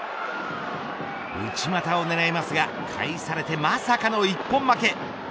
内股を狙いますが返されてまさかの一本負け。